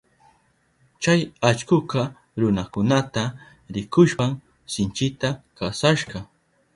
Chay allkuka runakunata rikushpan sinchita kasashka.